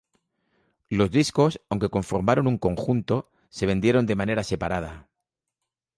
Los discos, aunque conformaron un conjunto, se vendieron de manera separada.